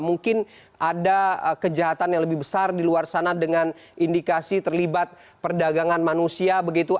mungkin ada kejahatan yang lebih besar di luar sana dengan indikasi terlibat perdagangan manusia begitu